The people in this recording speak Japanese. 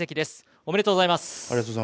ありがとうございます。